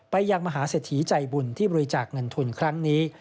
ยังมหาเศรษฐีใจบุญที่บริจาคเงินทุนครั้งนี้